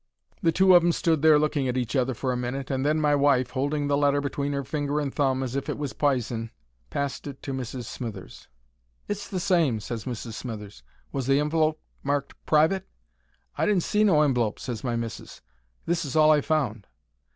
The two of 'em stood there looking at each other for a minute, and then my wife, holding the letter between 'er finger and thumb as if it was pison, passed it to Mrs. Smithers. "It's the same," ses Mrs. Smithers. "Was the envelope marked 'Private'?" "I didn't see no envelope," ses my missis. "This is all I found."